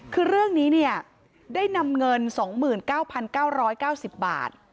คือเรื่องนี้เนี่ยได้นำเงินสองหมื่นเก้าพันเก้าร้อยเก้าสิบบาท